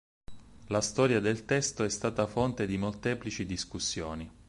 La storia del testo è stata fonte di molteplici discussioni.